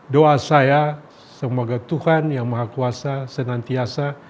doa saya semoga tuhan yang maha kuasa senantiasa